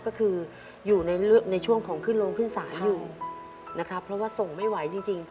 ก็คืออยู่ในช่วงของขึ้นลงขึ้นศาลอยู่นะครับเพราะว่าส่งไม่ไหวจริง